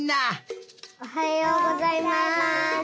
おはようございます！